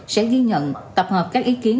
sẽ ghi nhận tập hợp các ý kiến